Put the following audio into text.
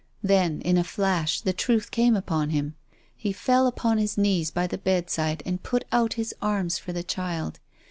Then, in a flash, the truth came upon him. He fell upon his knees by the bedside and put out his arms for the child.